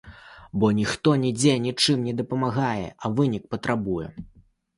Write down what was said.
Бо ніхто нідзе нічым не дапамагае, а вынік патрабуе.